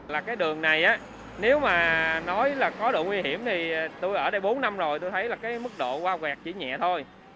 là cái đường này nếu mà nói là có độ nguy hiểm thì tôi ở đây bốn năm rồi tôi thấy là cái mức độ qua quẹt chỉ nhẹ thôi